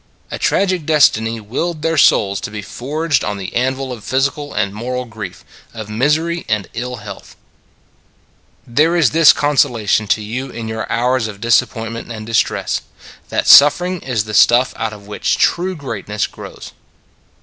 " A tragic destiny willed their souls to be forged on the anvil no It s a Good Old World of physical and moral grief, of misery and ill health." There is this consolation to you in your hours of disappointment and distress that suffering is the stuff out of which true greatness grows.